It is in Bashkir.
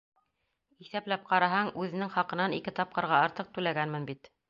Иҫәпләп ҡараһаң, үҙенең хаҡынан ике тапҡырға артыҡ түләгәнмен бит!